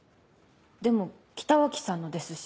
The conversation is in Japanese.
でも北脇さんのですし。